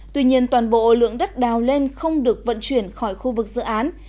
tuy nhiên toàn bộ lượng đất đào lên không được vận chuyển khỏi khu vực dự án